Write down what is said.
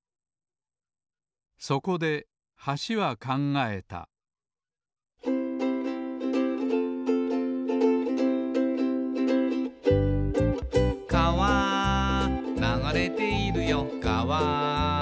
そこで橋は考えた「かわ流れているよかわ」